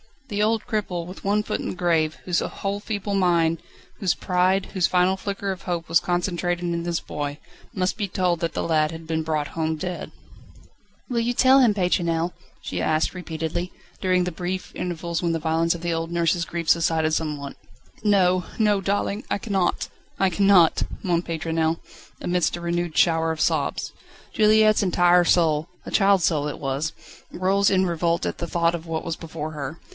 The old cripple, with one foot in the grave, whose whole feeble mind, whose pride, whose final flicker of hope was concentrated in his boy, must be told that the lad had been brought home dead. "Will you tell him, Pétronelle?" she asked repeatedly, during the brief intervals when the violence of the old nurse's grief subsided somewhat. "No no darling, I cannot I cannot " moaned Pétronelle, amidst a renewed shower of sobs. Juliette's entire soul a child's soul it was rose in revolt at thought of what was before her.